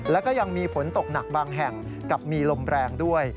แล้วก็ยังมีฝนตกหนักบางแห่งกับมีลมแรงด้วย